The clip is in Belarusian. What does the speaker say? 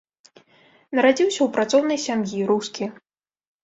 Нарадзіўся ў працоўнай сям'і, рускі.